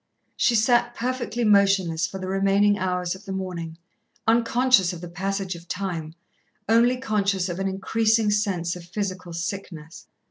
She sat perfectly motionless for the remaining hours of the morning, unconscious of the passage of time, only conscious of an increasing sense of physical sickness.